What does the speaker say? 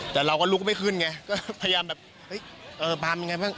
แต่เราก็ลุกไปขึ้นไงฮะพยายามแบบฮึเออตั้งนี้เานี้ยบ้าง